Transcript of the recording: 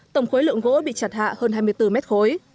tổng khối lượng gỗ bị chặt hạ hơn hai mươi bốn mét khối